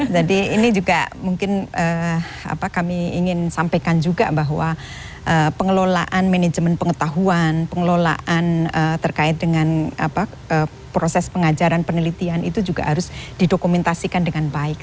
jadi ini juga mungkin kami ingin sampaikan juga bahwa pengelolaan manajemen pengetahuan pengelolaan terkait dengan proses pengajaran penelitian itu juga harus didokumentasikan dengan baik